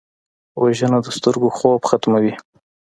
وژنه د سترګو خوب ختموي